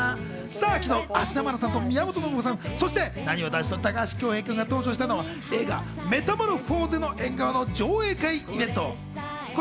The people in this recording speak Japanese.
昨日、芦田愛菜さんと宮本信子さん、そしてなにわ男子の高橋恭平くんが登場したのは映画『メタモルフォーゼの縁側』の上映会イベント。